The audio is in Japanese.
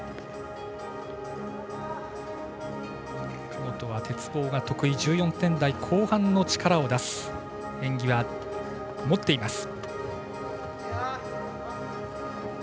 神本は鉄棒が得意１４点台後半の力を出す演技は持っています。